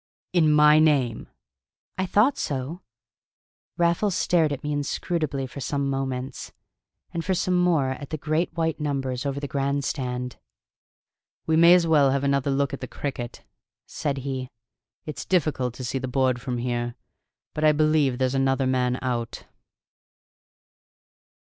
"In my name?" "I thought so." Raffles stared at me inscrutably for some moments, and for some more at the great white numbers over the grand stand. "We may as well have another look at the cricket," said he. "It's difficult to see the board from here, but I believe there's another man out."